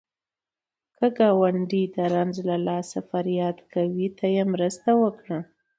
که ګاونډی د رنځ له لاسه فریاد کوي، ته یې مرسته وکړه